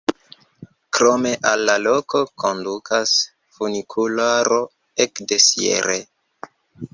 Krome al la loko kondukas funikularo ek de Sierre.